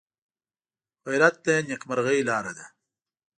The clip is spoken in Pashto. غیرت د نیکمرغۍ لاره ده